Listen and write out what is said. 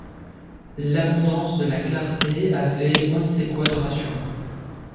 L'abondance de la clarté avait on ne sait quoi de rassurant.